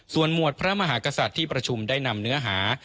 ส่วนหมวดพระมหากษัตริย์ที่ประชุมได้นำเนื้อหา